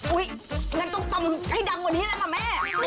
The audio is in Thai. อุ้ยมันต้องตำให้ดังกว่านี้แล้วหรอแม่